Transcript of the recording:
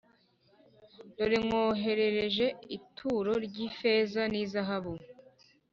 Dore nkoherereje ituro ry’ifeza n’izahabu